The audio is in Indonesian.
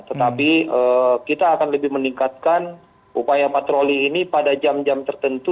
tetapi kita akan lebih meningkatkan upaya patroli ini pada jam jam tertentu